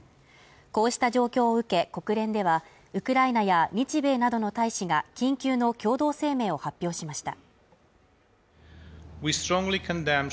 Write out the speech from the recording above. こうした状況を受け、国連では、ウクライナや日米などの大使が、緊急の共同声明を発表しました。